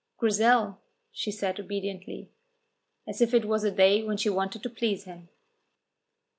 "Grizel," she said obediently, if it was a day when she wanted to please him.